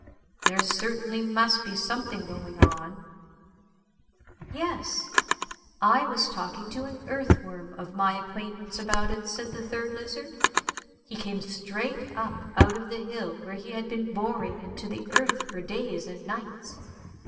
There certainly must be something going on." " Yes, I was talking to an earthworm of my acquaintance about it," said the third lizard. " He came straight up out of the hill, where he had been boring into the earth for days and nights.